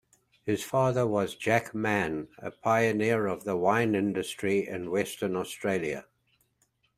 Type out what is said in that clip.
His father was Jack Mann, a pioneer of the wine industry in Western Australia.